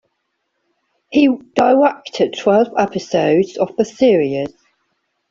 He directed twelve episodes of the series.